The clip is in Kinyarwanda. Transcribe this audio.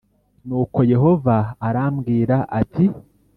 “nuko yehova arambwira ati ‘